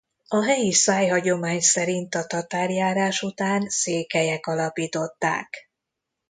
A helyi szájhagyomány szerint a tatárjárás után székelyek alapították.